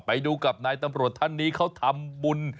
ไปดูกับนายตำรวจท่านนี้เขาทำบุญ